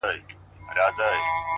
رښتیا تل بریا مومي,